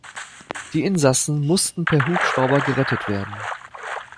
Die Insassen mussten per Hubschrauber gerettet werden.